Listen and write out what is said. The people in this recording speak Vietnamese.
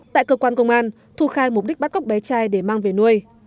tại cơ quan công an thu khai mục đích bắt cóc bé trai để mang về nuôi